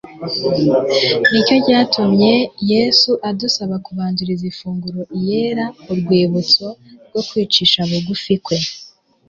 Nicyo cyatumye Yesu adusaba kubanziriza ifunguro iyera urwibutso rwo kwicisha bugufi kwe.